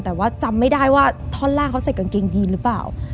แต่ว่าจำไม่ได้ว่าท่อนล่างเขาใส่กางเกงยีนหรือเปล่า